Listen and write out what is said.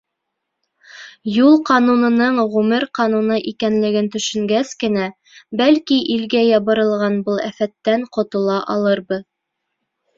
Юл ҡанунының ғүмер ҡануны икәнлеген төшөнгәс кенә, бәлки, илгә ябырылған был афәттән ҡотола алырбыҙ...